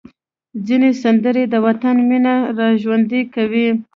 ځینې سندرې د وطن مینه راژوندۍ کوي.